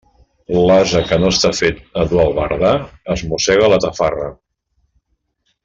L'ase que no està fet a dur albarda, es mossega la tafarra.